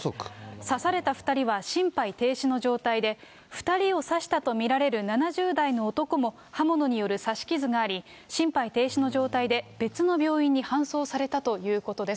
刺された２人は心肺停止の状態で、２人を刺したと見られる７０代の男も、刃物による刺し傷があり、心肺停止の状態で、別の病院に搬送されたということです。